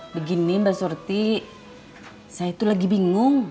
begini mbak surti saya itu lagi bingung